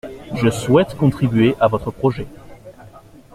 Je souhaite contribuer à votre projet.